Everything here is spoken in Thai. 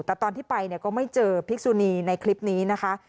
แต่ตอนที่ไปเนี่ยก็ไม่เจอพิกษุนีในคลิปนี้นะคะ